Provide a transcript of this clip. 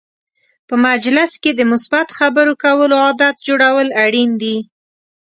په مجلس کې د مثبت خبرو کولو عادت جوړول اړین دي.